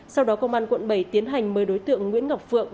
sau đó công an quận bảy tiến hành mời đối tượng nguyễn ngọc phượng